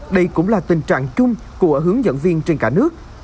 đây cũng là tình trạng chung của hướng dẫn viên trên cả nước